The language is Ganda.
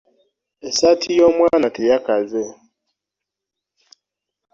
Essaati y'omwana teyakaze.